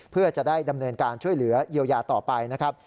เพื่อจะได้ดำเนินการช่วยเหลือเยียวยาต่อไปนะครับ